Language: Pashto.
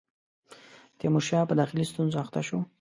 تیمورشاه په داخلي ستونزو اخته شو.